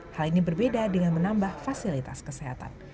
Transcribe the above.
hal ini berbeda dengan menambah fasilitas kesehatan